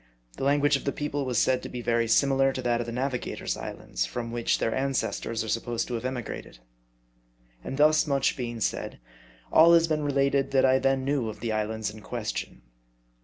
The language of the people was said to be very similar to that of the Navigator's islands, from which, their ancestors are supposed to have emigrated. And thus much being said, all has been related that I then knew of the islands in question.